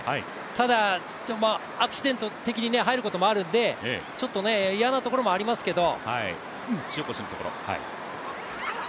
ただアクシデント的に入ることもあるので、ちょっといやなところもありますけど。